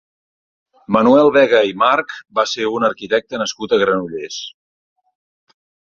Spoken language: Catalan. Manuel Vega i March va ser un arquitecte nascut a Granollers.